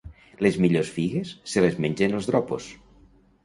Les millors figues se les mengen els dropos.